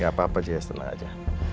gak apa apa jess tenang aja